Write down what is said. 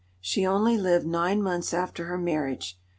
She only lived nine months after her marriage.